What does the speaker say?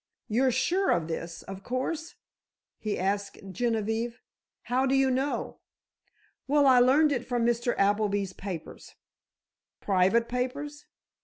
"You're sure of this, of course?" he asked Genevieve. "How do you know?" "Well, I learned it from Mr. Appleby's papers——" "Private papers?"